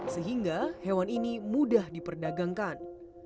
sehingga hewan ini mudah diperdagangkan